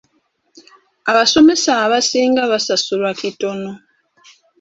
Abasomesa abasinga basasulwa kitono.